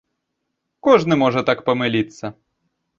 Кожны можа так памыліцца.